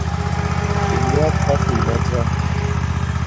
دنیݳت فَݽ ہݸئنݳ چھݳ.